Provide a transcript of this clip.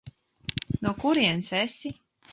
No kurienes esi?